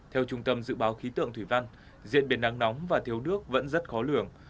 theo trung tâm dự báo khí tượng thủy văn diễn biến nắng nóng và thiếu nước vẫn rất khó lường